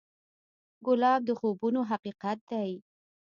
ګلاب د خوبونو حقیقت دی.